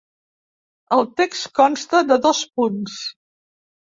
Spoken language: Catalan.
El text consta de dos punts.